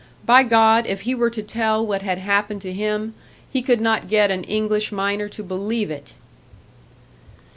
By God, if he were to tell what had happened to him, he could not get an English miner to believe it!